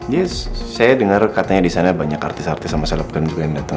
yes saya dengar katanya di sana banyak artis artis sama selebgram juga yang datang